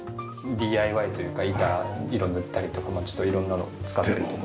ＤＩＹというか板に色塗ったりとかちょっと色んなのを使ったりとかして。